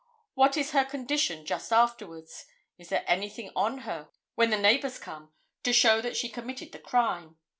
What is her condition just afterwards? Is there anything on her when the neighbors come to show that she committed the crime?